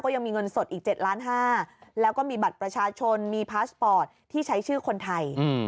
ยังมีเงินสดอีก๗ล้าน๕แล้วก็มีบัตรประชาชนมีพาสปอร์ตที่ใช้ชื่อคนไทย